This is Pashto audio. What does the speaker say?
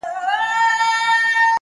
• په زحمت چي پکښي اخلمه ګامونه ,